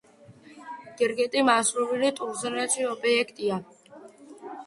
გერგეტი მასობრივი ტურიზმის ობიექტია.